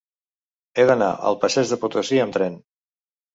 He d'anar al passeig de Potosí amb tren.